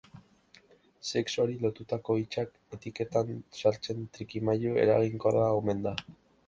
Sexuari lotutako hitzak etiketetan sartzea trikimailu eraginkorra omen da.